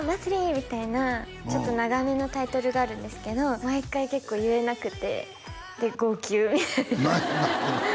みたいなちょっと長めのタイトルがあるんですけど毎回結構言えなくてで号泣みたいな何で泣くの？